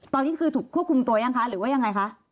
ตอนนี้คือถูกควบคุมตัวยังคะหรือว่ายังไงคะ